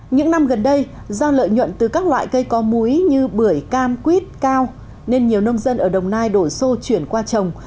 những năm gần đây do lợi nhuận từ các loại cây có múi như bưởi cam quýt cao nên nhiều nông dân ở đồng nai đổi xô chuyển qua trồng